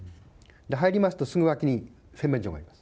入りますと、すぐ脇に洗面所があります。